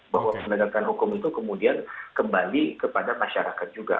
bahwa penegakan hukum itu kemudian kembali kepada masyarakat juga